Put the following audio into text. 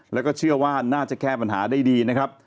แล้วก็เชื่อว่าน่าจะแก้ปัญหาได้ดีนะครับ